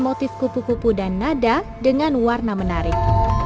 motif kupu kupu dan nada dengan warna menarik